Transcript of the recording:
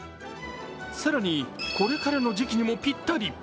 更にこれからの時季にもぴったり。